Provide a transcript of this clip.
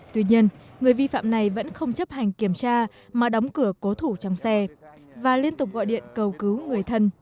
tuy nhiên người vi phạm này vẫn không chấp hành kiểm tra mà đóng cửa cố thủ trong xe và liên tục gọi điện cầu cứu người thân